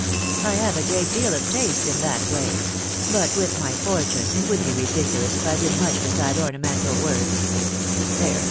I have a great deal ,of taste in that way ; but with my fortune it would be ridiculous if I did much beside ornamental work There